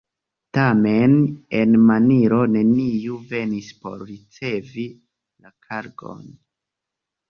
Tamen en Manilo neniu venis por ricevi la kargon.